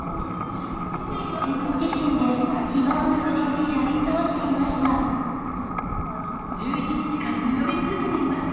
自分自身で暇をつぶしてやり１１日間、祈り続けていました。